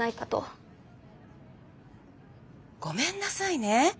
ごめんなさいね。